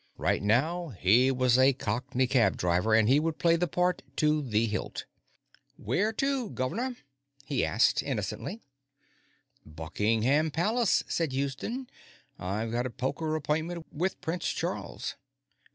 Right now, he was a Cockney cab driver, and he would play the part to the hilt. "Where to, guv'nor?" he asked innocently. "Buckingham Palace," said Houston. "I've got a poker appointment with Prince Charles."